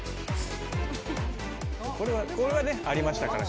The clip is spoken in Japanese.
これはねありましたから。